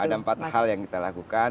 ada empat hal yang kita lakukan